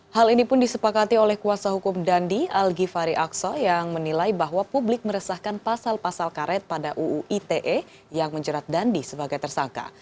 hal ini pun disepakati oleh kuasa hukum dandi al gifari aksa yang menilai bahwa publik meresahkan pasal pasal karet pada uu ite yang menjerat dandi sebagai tersangka